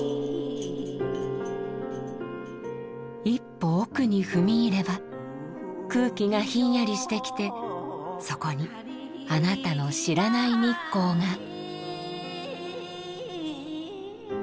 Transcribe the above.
一歩奥に踏み入れば空気がひんやりしてきてそこにあなたの知らない日光が。